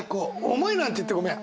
「重い」なんて言ってごめん。